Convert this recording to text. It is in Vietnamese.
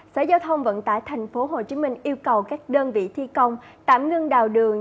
sở giao thông vận tải tp hcm yêu cầu các đơn vị thi công tạm ngưng đào đường